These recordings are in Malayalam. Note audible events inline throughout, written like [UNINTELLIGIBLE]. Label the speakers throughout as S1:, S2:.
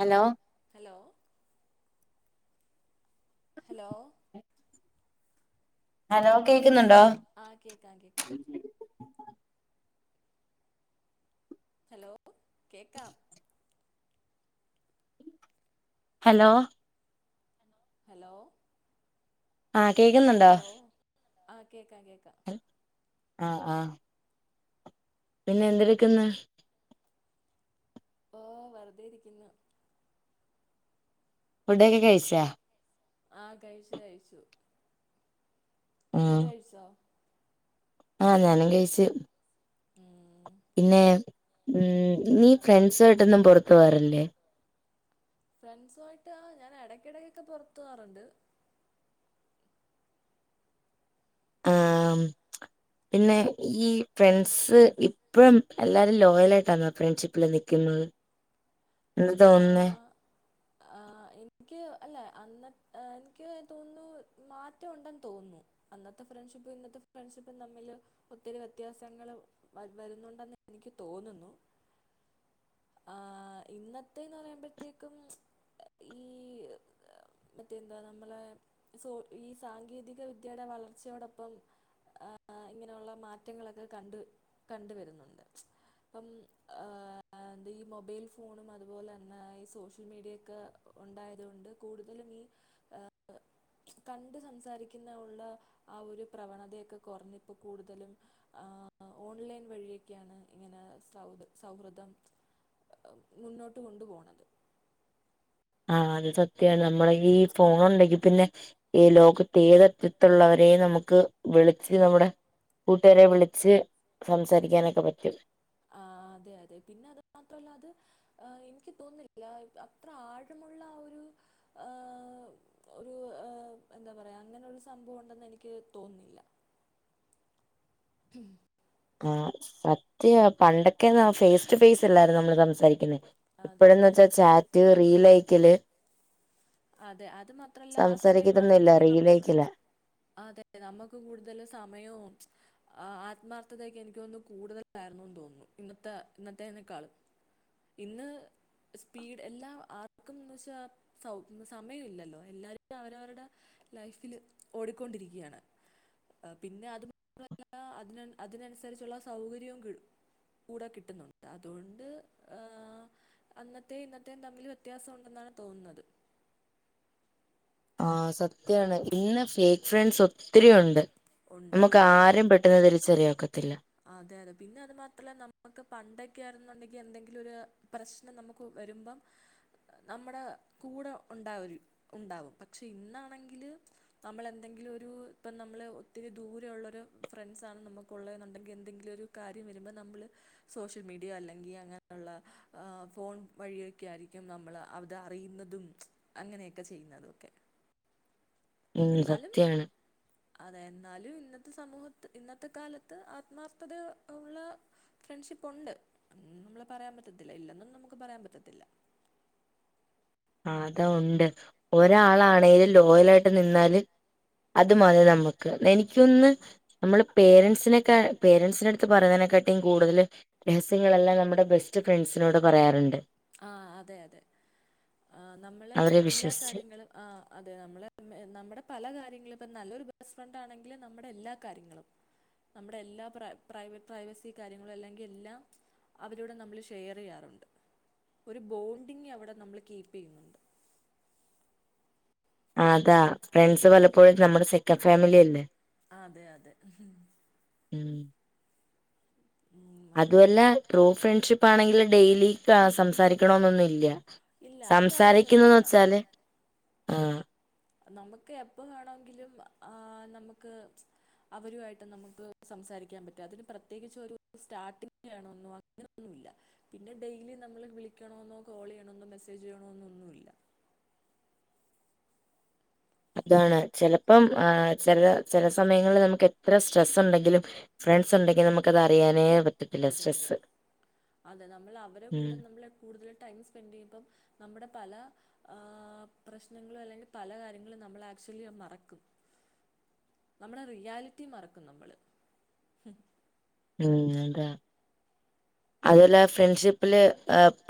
S1: ഹലൊ.
S2: ഹലൊ. ഹലോ
S1: ഹലോ കേക്കുന്നുണ്ടോ.
S2: ആഹ് കേക്കാം കേക്കാം. ഹലോ. കേക്കാം.
S1: ഹലോ
S2: ഹലോ
S1: ആഹ് കേക്കുന്നുണ്ടോ
S2: ഹലോ ആഹ് കേക്കാം കേക്കാം
S1: ആഹ് ആഹ് പിന്നെ എന്തടുക്ക്ന്ന്
S2: ഒ വെറുതെ ഇരിക്കുന്നു
S1: ഫുഡൊക്കെ കഴിച്ചാ
S2: ആഹ് കഴിച്ചു കഴിച്ചു
S1: ഉം
S2: ഫുണ്ട്കഴിച്ചോ
S1: ആഹ് ഞാനും കഴിച്ചു
S2: ഉം
S1: പിന്നെ ഉ നീ ഫ്രണ്ട്സായിട്ടൊന്നും പുറത്തു പോവാറില്ലേ
S2: ഫ്രണ്ട്സുയിട്ട് ആ ഞൻ ഇടയ്ക്കിടക്കൊക്കെ പുറത്തു പോകാറുണ്ട്
S1: ആ പിന്നെ ഈ ഫ്രണ്ട്സ് ഇപ്പം എല്ലാരും ലോയലായിട്ടാന്നോ ഫ്രണ്ട്ഷിപ്പിൽ നിക്കുന്നത് എന്താ തോന്നുന്നേ
S2: ആഹ് ആ എനിക്ക് അല്ല അന്ന് എനിക്ക് തോന്നുന്നു മാറ്റമുണ്ടെന്ന് തോന്നുന്നു അന്നത്തെ ഫ്രണ്ട്ഷിപ്പും ഇന്നത്തെ ഫ്രണ്ട്ഷിപ്പും തമ്മില് ഒത്തിരി വ്യത്യാസങ്ങള് വരു വരുന്നുണ്ടെന്ന് എനിക്ക് തോന്നുന്നു ആഹ് ഇന്ന ത്തേന്ന് പറയുമ്പോഴത്തേക്കും ഈ മറ്റേന്താ നമ്മളെ സോ ഈ സാങ്കേതികവിദ്യയുടെ വളർച്ചയോടൊപ്പം ആ ഇങ്ങനെയുള്ള മാറ്റങ്ങളൊക്കെ കണ്ട് കണ്ട് വരുന്നുണ്ട് ഇപ്പം ആ എന്ത ഈ മൊബൈൽ ഫോണും അ അതുപോലെ തന്നെ ഈ സോഷ്യൽ മീഡിയയെക്കെ ഉണ്ടായത് കൊണ്ട് കൂടുതലും ഈ കണ്ട് സംസാരിക്കുന്ന ഉള്ള ആ ഒരു പ്രവണതയൊക്കെ കുറഞ്ഞ് ഇപ്പം കൂടുതലും ആ ഓൺലൈൻ വഴിയൊക്കെയാണ് ഇങ്ങനെ സൗ സൗഹൃദം മുന്നോട്ട് കൊണ്ട് പോണത്
S1: ആഹ് അത് സത്യ നമ്മള ഈ ഫോൺ ഉണ്ടെങ്കി പിന്നെ ഈ ലോകത്ത് ഏത് അറ്റത്ത്ള്ളവരെയും നമുക്ക് വിളിച്ച് നമ്മുടെ കൂട്ടുകാരെവിളിച്ച് സംസാരിക്കാനൊക്കെ പറ്റും
S2: ആഹ് അതെ അതെ പിന്നെ അത് മാത്രല്ല അത് ആ എനിക്ക് തോന്നില്ല അത്ര ആഴമുള്ള ആ ഒരു ആഹ് ഒരു എന്താ പറയാ അങ്ങനെ ള്ള ഒരു സംഭവം ഉണ്ടെന്ന് എനിക്ക് തോന്നില്ല ഉം
S1: ആ സത്യാ പണ്ടൊക്കെ ന്ന ഫേസ് ടു ഫേസ് ല്ലാരുന്നേ നമ്മള് സംസാരിക്കുന്നേ
S2: അതെ
S1: ഇപ്പോഴന്ന്
S2: അതെ
S1: വച്ചാ ചാറ്റ് റീലയ്ക്കല്
S2: അതെ അത് മാത്രല്ല ആ
S1: സംസാരിക്കത്തൊന്നുംല്ല
S2: സമയത്താണെങ്കി നമ്മക്ക്
S1: റീലയക്കല
S2: അതെ നമ്മക്ക് കൂടുതല് സമയവും ആ ആത്മാർത്ഥതൊക്കെ എനിക്ക് തോന്നുന്നു കൂടുതലായിരുന്നുന്ന് തോന്നുന്നു ഇന്നത്തെ ഇന്നത്തെനേക്കാളും ഇന്ന് സ്പീഡ് എല്ലാം ആർക്കുംന്ന് വെച്ചാ സൗ ഒന്ന് സമയല്ലല്ലോ എല്ലാരും അവരവരുടെ ലൈഫില് ഓടിക്കൊണ്ടിരിക്കായാണ് പിന്നെ അത് മാത്രല്ല അതിന അതിനനുസരിച്ചുള്ള സൗകര്യവും കി കൂടെ കിട്ടുന്നുണ്ട് അതുകൊണ്ട് ആഹ് അന്നത്തെയു ഇന്നത്തെയും തമ്മിൽ വ്യത്യാസം ഉണ്ടെന്നാണ് തോന്നുന്നത്
S1: ആഹ് സത്യാണ് ഇന്ന ഫേക്ക് ഫ്രണ്ട്സ് ഒത്തിരിയുണ്ട്
S2: ഉണ്ട്
S1: നമുക്ക്
S2: അതാ
S1: ആരേ പെ ഇത് തിരിച്ചറിയാനൊക്കത്തില്ല
S2: അതെ അതെ പിന്നെ അത് മാത്രല്ല നമ്മുക്ക് പണ്ടൊക്കെ ആയിരുന്നുണ്ടെങ്കിൽ എന്തെങ്കിലും ഒരു പ്രശ്നം നമുക്ക് വരുമ്പം നമ്മുടെ കൂടെ ഉണ്ടാ ഉണ്ടാവും പക്ഷെ ഇന്നാണെങ്കില് നമ്മൾ എന്തെങ്കിലും ഒരു ഇപ്പം നമ്മള് ഒത്തിരി ദൂരെ ഉുള്ളരു ഫ്രണ്ട്സാണ് നമുക്ക് ഉള്ളേന്ന് ഉണ്ടെങ്കിൽ എന്തെങ്കിലും ഒരു കാര്യം വരുമ്പോൾ നമ്മള് സോഷ്യൽ മീഡിയ അല്ലെങ്കിൽ അങ്ങനെയുള്ള ഫോൺ വഴിയൊക്കെ ആയിരിക്കും നമ്മൾ അത് അറിയുന്നതും അങ്ങനെയൊക്കെ ചെയ്യുന്നതുവൊക്കെ
S1: ഉം
S2: എന്നാലും
S1: സത്യാണ്
S2: അതെ എന്നാലും ഇന്നത്തെ സമൂഹത്ത് ഇന്നത്തെ കാലത്ത് ആത്മാർഥത ഉള്ള ഫ്രണ്ട്ഷിപ്പ് ഉണ്ട് നമ്മള് പറയാൻ പറ്റത്തില്ല ഇല്ലെന്നൊന്നും നമുക്ക് പറയാൻ പറ്റത്തില്ല
S1: അതാ ഉണ്ട് ഒരാളാണേലും ലോയല് ആയിട്ട് നിന്നാല് അതു മതി നമ്മുക്ക് എനിക്കൊന്ന് നമ്മള് പേരൻസിനൊക്കെ പേരൻസിന് അടുത്ത് പറയുന്നതിനെക്കാട്ടിയും കൂടുതല് രഹസ്യങ്ങളെല്ലാം നമ്മുടെ ബെസ്റ്റ് ഫ്രണ്ട്സിനോട് പറയാറുണ്ട്
S2: ആഹ് അതെ അതെ ആഹ് നമ്മള്
S1: അവരെ
S2: എല്ലാ
S1: വിശ്വസിച്ച്
S2: കാര്യങ്ങളും ആഹ് അതെ നമ്മള് നമ്മുടെ പല കാര്യങ്ങളും ഇപ്പൊ നല്ലൊരു ബെസ്റ്റ് ഫ്രണ്ട് ആണെങ്കിൽ നമ്മുടെ എല്ലാ കാര്യങ്ങളും നമ്മുടെ എല്ലാ പ്ര പ്രൈവ പ്രൈവസിം കാര്യങ്ങളും അല്ലെങ്കിൽ എല്ലാ അവരോട് നമ്മൾ ഷെയറ് ചെയ്യാറുണ്ട് ഒരു ബോണ്ടിങ് അവിടെ നമ്മൾ കീപ്പ് ചെയ്യുന്നുണ്ട്
S1: അതാ ഫ്രണ്ട്സ് പലപ്പോഴും നമ്മുടെ സെക്കൻഡ് ഫാമിലി അല്ലേ
S2: അതെ അതെ
S1: ഉം
S2: ഉം, അങ്ങനെ.
S1: അതുമല്ല ട്രൂ ഫ്രണ്ട്ഷിപ്പ് ആണെങ്കില് ഡെയിലി സംസാരിക്കണന്നൊന്നുംല്ല
S2: ഇല്ല അയിന്റെ
S1: സംസാരിക്കുന്ന്
S2: ആവശ്യമൊന്നുമില്ല
S1: വച്ചാല് ഉം
S2: നമുക്ക് എപ്പ വേണമെങ്കിലും ആഹ് നമുക്ക് അവരുമായിട്ട് നമുക്ക് സംസാരിക്കാൻ പറ്റും അതിന് പ്രത്യേകിച്ച് ഒരു സ്റ്റാർട്ടിങ് ആണൊന്നും അങ്ങനെയൊന്നുല്ല പിന്നെ ഡെയിലി നമ്മള് വിളിക്കണമന്നോ കോൾ ചെയ്യണമെന്നോ മെസ്സേജ് ചെയ്യണോന്നോ ഒന്നും ഇല്ല
S1: അതാണ് ചിലപ്പം ആഹ് ചില ചില സമയങ്ങളിൽ നമുക്ക് എത്ര സ്ട്രെസ് ഉണ്ടെങ്കിലും ഫ്രണ്ട്സ് ഉണ്ടെങ്കിലും നമുക്ക്ത് അറിയാനേ പറ്റ
S2: പറ്റത്തില്ല അതെ നമ്മള് അവരെ
S1: ഉം
S2: കൂടെ നമ്മൾ കൂടുതൽ ടൈം സ്പെൻഡ് ചെയ്യുമ്പം നമ്മുടെ പല ആഹ് പ്രശ്നങ്ങളും അല്ലെങ്കിൽ പല കാര്യങ്ങളും നമ്മൾ ആക്ച്വൊലി മറക്കും നമ്മുടെ റിയാലിറ്റി മറക്കും നമ്മള്
S1: ഉം അതാ അതുവല്ല ഫ്രണ്ട്ഷിപ്പില്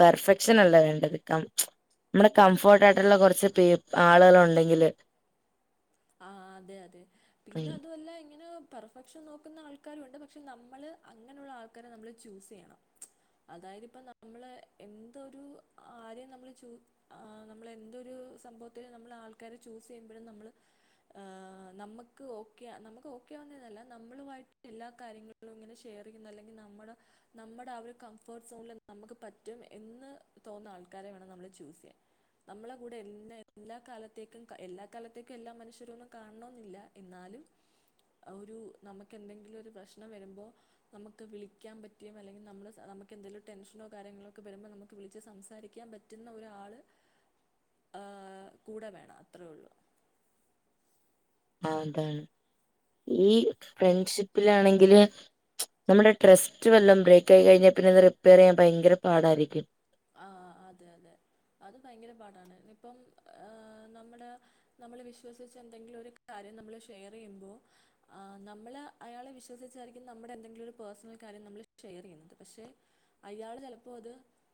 S1: പെർഫെക്ഷൻ അല്ല വേണ്ടത് കം നമ്മടെ കംഫോർട്ട് ആയിട്ടുള്ള കുറച്ച് പേ ആളുകൾ ഉണ്ടെങ്കില്
S2: ആഹ് അതെ അതെ പിന്നെ അതുവല്ല ഇങ്ങനെ പെർ ഫെക്ഷൻ നോക്കുന്ന ആൾക്കാരും ഉണ്ട് പക്ഷെ നമ്മള് അങ്ങനെയുള്ള ആൾക്കാരെ നമ്മള് ചൂസ് ചെയ്യണം അതായത് ഇപ്പൊ നമ്മള് എന്തൊരു ആരെയും നമ്മള് ചു ആഹ് നമ്മള് എന്തൊരു സംഭവത്തിൽ നമ്മൾ ആൾക്കാര് ചൂസ് ചെയ്യുമ്പോഴും നമ്മള് ആഹ് നമുക്ക് ഓക്കെ നമുക്ക് ഓക്കെ ആവുന്നേന്നല്ല നമ്മളുമായിട്ട് എല്ലാ കാര്യങ്ങളും ഇങ്ങനെ ഷെ ഷെയറിന്ന അല്ലെങ്കിൽ നമ്മുടെ നമ്മുടെ ആഹ് ഒരു കംഫോർട്ട് സോണില് നമുക്ക് പറ്റും എന്ന് തോന്നുന്ന ആൾക്കാരെ വേണം നമ്മള് ചൂസ് ചെയ്യാൻ നമ്മളെ കൂടെ എല്ലാ എല്ലാ കാലത്തേക്കും എല്ലാ കാലത്തേക്കും എല്ലാ മനുഷ്യ ഒന്നും കാണണമെന്നില്ല എന്നാലും ഒരു നമുക്ക് എന്തെങ്കിലും ഒരു പ്രശ്നം വരുമ്പോ നമുക്ക് വിളിക്കാൻ പറ്റിയ അല്ലെങ്കിൽ നമ്മള് നമുക്ക് എന്തെങ്കിലും ടെൻഷനോ കാര്യങ്ങളോ ഒക്കെ വരുമ്പോൾ നമുക്ക് വിളിച്ച് സംസാരിക്കാൻ പറ്റ പറ്റുന്ന ഒരാള് ! ! ആഹ് കൂടെ വേണം അത്രയേ ഉള്ളൂ
S1: ആ അതാണ് ഈ ഫ്രണ്ട്ഷിപ്പിലാണെങ്കില് നമ്മുടെ ട്രസ്റ്റ് വല്ലം ബ്രേക്ക് ആയി കഴിഞ്ഞാൽ പിന്നെ അത് റിപ്പയർ ചെയ്യാൻ ഭയങ്കര പാടായിരിക്കും
S2: ആഹ് അതെ അതെ അത് ഭയങ്കര പാടാണ് ഇപ്പം ഏ നമ്മുടെ നമ്മള് വിശ്വസിച്ച് എന്തെങ്കിലും ഒരു കാര്യം നമ്മള് ഷെയർ ചെയ്യുമ്പോൾ ആ നമ്മള് അയാളെ വിശ്വസിച്ചായിരിക്കും നമ്മുടെ എന്തെങ്കിലും ഒരു പേഴ്സണൽ കാര്യം നമ്മൾ ഷെയർ ചെയ്യുന്നത് പക്ഷെ അയാള് ചിലപ്പോ അത്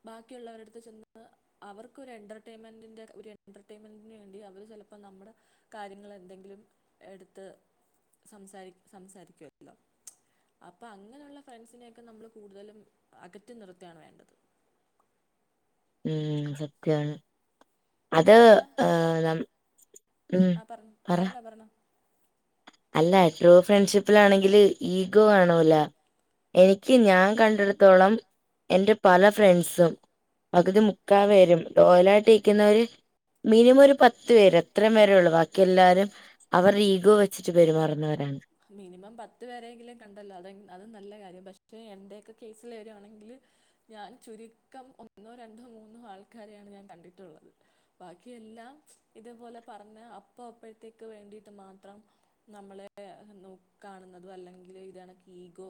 S2: ബാക്കിയുള്ളവരെടുത്ത് ചെന്ന് അവർക്കൊര് എന്റർമെന്റിന്റെ ഒരു എന്റർൈൻമെന്റിന് വേണ്ടി അവര് ചിലപ്പോ നമ്മുടെ കാര്യങ്ങള് എന്തെങ്കിലും എടുത്ത് സംസാ സംസാരിക്കുമല്ലോ അപ്പ അങ്ങനെയുള്ള ഫ്രണ്ട്സിനെയൊക്കെ നമ്മൾ കൂടുതലും അകറ്റി നിർത്തിയാണ് വേണ്ടത്
S1: ഉം സത്യാണ് അത്
S2: കാരണം ആ
S1: ഏ ന
S2: ആ പറ പറഞ്ഞോ പറഞ്ഞോ
S1: അല്ല ട്രൂ ഫ്രണ്ട്ഷിപ്പിലാണെങ്കില് ഈഗോ കാണൂല്ല എനിക്ക് ഞാൻ കണ്ടിടത്തോളം എന്റെ പല ഫ്രണ്ട്സും
S2: ഉം
S1: പകുതി മിക്ക വരും ടോലായിട്ട് ഇരിക്കുന്നവര് മിനിമം ഒരു പത്ത് പേര് അത്രയും പേരേ ഉള്ളൂ ബാക്കി എല്ലാരും അവരുടെ ഈഗോ വെച്ചിട്ട് പെരുമാറുന്നവരാണ്
S2: മിനിമം പത്ത് പേരെങ്കിലും കണ്ടല്ലോ അത അതും നല്ല കാര്യം പക്ഷെ എന്റെയൊക്കെ കേസിൽ വരുവാണെങ്കില് ഞാൻ ചുരുക്കം ഒന്നോ രണ്ടോ മൂന്നോ ആൾക്കാരെയാണ് ഞാൻ കണ്ടിട്ടുള്ളത് ബാക്കിയ എല്ലാം ഇതേപോലെ പറഞ്ഞ അപ്പ അപ്പോഴത്തേക്ക് വേണ്ടിട്ട് മാത്രം നമ്മളെ നോക്കി കാണുന്നതും അല്ലെങ്കിൽ ഇതണ ഈഗോ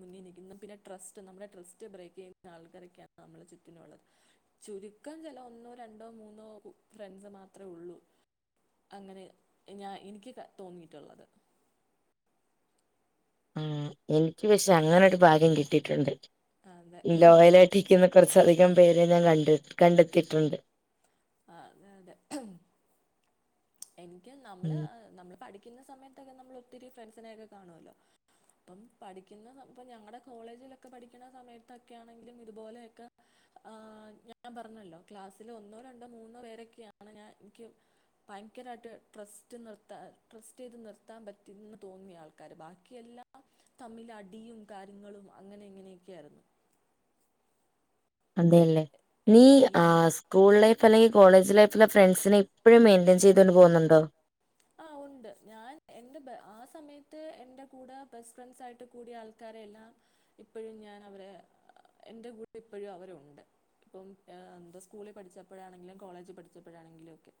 S2: മുന്നിൽ നിൽക്കുന്നു പിന്നെ ട്രസ്റ്റ് നമ്മുടെ ട്രസ്റ്റ് ട്രസ്റ്റ് ബ്രേക്ക് ചെയ്യുന്ന ആൾക്കാരൊക്കെയാണ് നമ്മളെ ചുറ്റിനുള്ളത് ചുരുക്കം ചില ഒന്നോ രണ്ടോ മൂന്നോ ഫ്രണ്ട്സ് മാത്രമേ ഉള്ളൂ അങ്ങനെ ഞാൻ എനിക്ക് തോന്നിയിട്ടുള്ളത്
S1: ആ എനിക്ക് പക്ഷെ അങ്ങനെ ഒരു ഭാഗ്യം കിട്ടിയിട്ടുണ്ട്
S2: അതെ
S1: ഇ ലോയല് ത്തിക്കുന്ന കുറച്ചധികം പേരെ ഞാൻ കണ്ട കണ്ടെത്തിയിട്ടുണ്ട്
S2: ആഹ് അതെ അതെ എനിക്ക് നമ്മള്
S1: ഉം
S2: നമ്മള് പഠി ക്കുന്ന സമയത്തൊക്കെ നമ്മൾ ഒത്തിരി ഫ്രണ്ട്സിനെ ഒക്ക കാണു വല്ലോ അപ്പം പഠിക്കുന്ന ഇപ്പ ഞങ്ങളടെ കോളേജിലൊക്കെ പഠിക്കുന്ന സമയത്തൊക്കെ ആണെങ്കിലും ഇതുപോലെയൊക്കെ ആ ഞാൻ പറഞ്ഞല്ലോ ക്ലാസ്സില് ഒന്നോ രണ്ടോ മൂന്നോ പേരൊക്കെയാണ് ഞാൻ എനിക്ക് ഭയങ്കരായിട്ട് ട്രസ്റ്റ് നിർത്താ ട്രസ്റ്റ് ചെയ്ത് നിർത്താൻ പറ്റുന്ന് തോന്നിയ ആൾ ആൾക്കാര് ബാക്കിയെല്ലാം തമ്മില് അടിയും കാര്യങ്ങളും അങ്ങനെ ഇങ്ങനെയൊക്കെ ആയിരുന്നു
S1: അതെയല്ലേ നീ
S2: എല്ലാ ഈ
S1: ആഹ് സ്കൂൾ ലൈഫ് അല്ലെങ്കിൽ കോളേജ് ലൈഫിലെ ഫ്രണ്ട്സിനെ ഇപ്പയും മെയിന്റയിൻ ചെയ്തു കൊണ്ട് പോകുന്നുണ്ടോ
S2: ആഹ് ഉണ്ട് ഞാൻ എന്റെ ആ സമയത്ത് എന്റെ കൂടെ ബെസ്റ്റ് ഫ്രണ്ട്സ് ആയിട്ട് കൂടി ആൾ ആൾക്കാരെല്ലാം ഇപ്പഴും ഞാൻ അവരെ എൻ്റെ കൂടെ ഇപ്പഴും അവരുണ്ട് ഇപ്പം എന്താ സ്കൂളിൽ പഠിച്ചപ്പോഴാണെങ്കിലും കോളേജ് പഠിച്ചപ്പോഴാണെങ്കിലും ഒക്കെ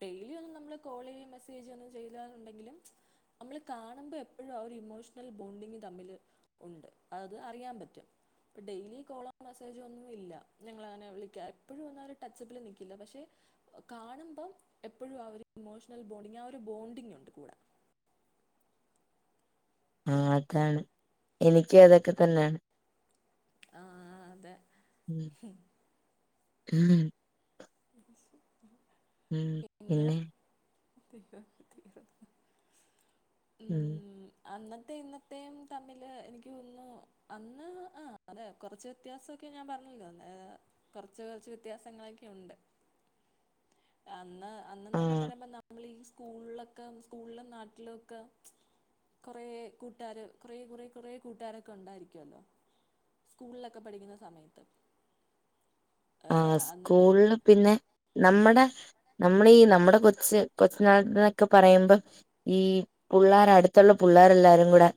S2: ഡെയിലി ഒന്നും നമ്മള് കോള് ചെയോ മെസ്സേജ് ഒന്നും ചെയ്യില്ലന്നുണ്ടെങ്കിലും നമ്മള് കാണുമ്പോ എപ്പഴും ആ ഒരു ഇമോഷണൽ ബോണ്ടിങ് തമ്മില് ഉണ്ട് അത് അറിയാൻ പറ്റും ഇപ്പ ഡെയിലി കോളോ മെസ്സേജോ ഒന്നും ഇല്ല ഞങ്ങള അങ്ങനെ വിളിക്കുക എപ്പോഴും വന്നാലും ടച്ചപ്പിൽ നിൽക്കില്ല പക്ഷെ കാണുമ്പം എപ്പോഴും ആ ഒരു ഇമോഷണൽ ബോണ്ടിങ് ആ ഒരു ബോണ്ടിങ് ഉണ്ട് കൂടെ
S1: ആഹ് അതാണ് എനിക്കും അതൊക്കെ തന്നെ
S2: ആഹ് അതെ
S1: ഉം [UNINTELLIGIBLE]
S2: [UNINTELLIGIBLE]
S1: ഉം പിന്നെ
S2: [UNINTELLIGIBLE] ഉം അന്നത്തെ ഇന്നത്തെയും തമ്മില് എനിക്ക് ഒന്നും അന്ന് ആഹ് അതെ കുറച്ച് വ്യത്യാസോക്കെ ഞാൻ പറഞ്ഞല്ലോ ന്നേ കുറച്ച് കുറച്ച് വ്യത്യാസങ്ങളൊക്കെ ഉണ്ട് അന്ന്
S1: ആ
S2: അന്നന്നൊക്കെ പറയുമ്പോ നമ്മൾ ഈ സ്കൂൾലൊക്കെ സ്കൂളിലും നാട്ടിലൊക്കെ കുറേ കൂട്ടാര് കുറേ കുറേ കുറേ കൂട്ടുകാരൊക്കെ ഉണ്ടായിരിക്കുവല്ലോ സ്കൂൾളൊക്കെ പഠിക്കുന്ന സമയത്ത്
S1: ആഹ്
S2: ഏഹ് അന്ന്
S1: സ്കൂൾളിലും പിന്നെ നമ്മട നമ്മളീ നമ്മട കൊച്ച് കൊച്ചനാള ത്തക്കന്നൊക്ക പറയംമ്പം ഈ പുള്ളാര് അട്ത്ത്ള്ള പുള്ളാര്എല്ലാരും കൂടെ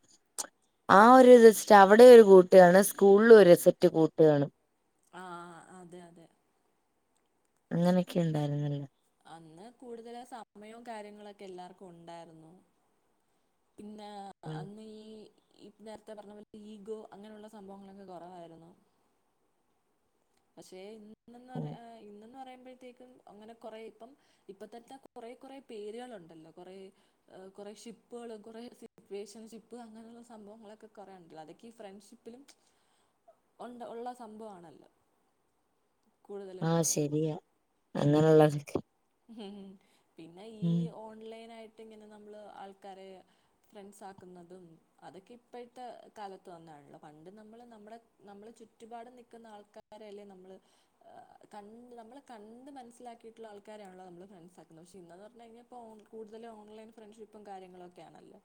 S1: ആ ഒരസ്റ്റ് അവിടെ ഒരു കൂട്ട് കാണും സ്കൂളിലും ഒരുസെറ്റ് കൂട്ടുകാണും
S2: ആഹ് അഹ് അതെ അതെ
S1: അങ്ങനെക്കെ ഇണ്ടായിര്ന്നല്ലൊ
S2: അന്ന് കൂടുതലായിസമയവും കാര്യങ്ങളക്കെ എല്ലാർക്കും ഉണ്ടായിർന്നു
S1: ഉം
S2: പിന്നാഅന്ന് ഈ ഇ നേരത്തപറഞ്ഞ പോല ഈഗോ അങ്ങനള്ള സംഭവങ്ങളൊക്ക കുറവാരുന്നു പശേഇന്നന്ന് പറ
S1: ഉം
S2: അ ഇന്നന്ന് പറയമ്പത്തേക്കും അങ്ങനകൊറെ ഇപ്പം ഇപ്പ തന്നകുറെ കുറേ പേരുകള്ണ്ടല്ലോ കൊറെ ഏഹ് കൊറേ ഷിപ്പുകള്കൊറേ വേഷൻ ഷിപ്പ് അങ്ങനള്ള സംഭവങ്ങളക്കെ കൊറേ ഇണ്ടല്ലോ അതക്കെ ഈ ഫ്രണ്ട്ഷിപ്പിലും
S1: [UNINTELLIGIBLE]
S2: ഒണ്ട് ഒള്ള സംമ്പവാണല്ലോ
S1: ആഹ് ശരിയാ അങനളളൽക്ക്
S2: ഉം പിന്നെ ഈ ഓൺലൈൻ ആയിട്ട് ഇങ്ങനെ നമ്മള് ആൾക്കാരെ ഫ്രണ്ട്സ് ആക്കുന്നതും അതൊക്കെ ഇപ്പയത്തകാലത്ത് വന്നാണല്ലോ പണ്ട് നമ്മള് നമ്മടെ നമ്മള് ചുറ്റുപാട്നിക്കുന്ന ആൾക്കാരല്ലേ നമ്മള് ഏഹ് കണ്ട് നമ്മള്കണ്ട് മനസ്സിലാക്കിയിട്ടിള്ള ആൾ ക്കാരാണല്ലൊനമ്മള് ഫ്രണ്ട്സാക്ണേ ഷെഇന്നന്ന്പറഞ്ഞ യിഞ്ഞ കൂടുതല്ഓൺലൈൻ ഫ്രണ്ട്ഷിപ്പും കാര്യങ്ങളും ഒക്കെയാണല്ലോ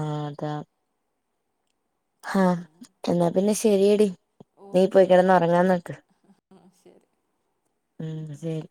S1: ആഹ് അതാ ഹ
S2: അങ്ങനെ
S1: എന്നാ പിന്നെ ശെരിയടി നീ പോയി കിടന്ന് ഒറങ്ങാൻനോക്ക്
S2: ആഹ് ശരി
S1: ഉം ശരി